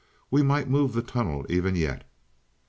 We might move the tunnel even yet."